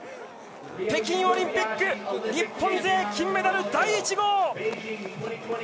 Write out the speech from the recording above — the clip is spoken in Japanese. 北京オリンピック日本勢金メダル第１号！